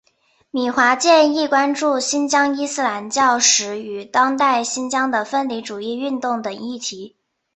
米华健亦关注新疆伊斯兰教史与当代新疆的分离主义运动等议题。